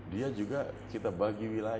dia juga kita bagi wilayah